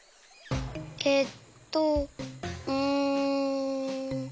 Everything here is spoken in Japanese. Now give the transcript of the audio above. えっとうん。